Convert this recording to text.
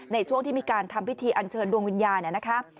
ในช่วงที่มีการทำพิธีอันเชิญดวงวิญญาณเนี่ยนะคะ